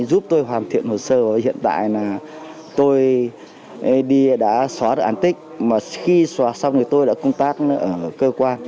anh giúp tôi hoàn thiện hồ sơ hiện tại là tôi đi đã xóa được án tích mà khi xóa xong thì tôi đã công tác ở cơ quan